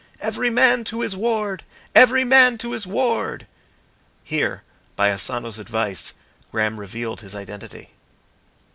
"Every man to his ward! Every man to his ward!" Here, by Asano's advice, Graham revealed his identity.